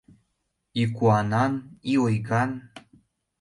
И куанан,и ойган.